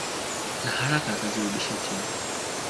na haraka akazirudisha chini